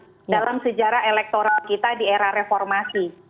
pertama kali dalam sejarah elektoral kita di era reformasi